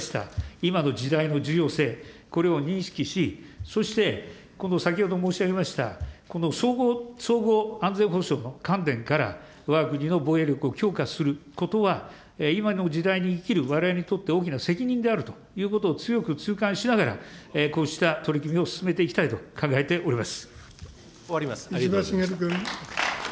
今の時代の重要性、これを認識し、そして先ほど申し上げました、この総合安全保障の観点から、わが国の防衛力を強化することは、今の時代に生きるわれわれにとって、大きな責任であるということを強く痛感しながら、こうした取り組みを進めていきたいと考えております。